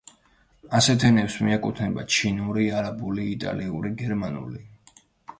ასეთ ენებს მიეკუთვნება ჩინური, არაბული, იტალიური, გერმანული.